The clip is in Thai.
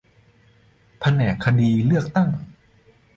แผนกคดีเลือกตั้ง